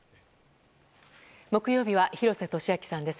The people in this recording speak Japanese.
木曜日は廣瀬俊朗さんです。